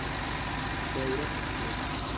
Veure's el plet.